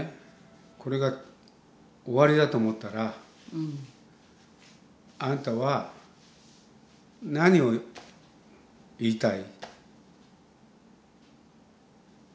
これが終わりだと思ったらあなたは何を言いたい？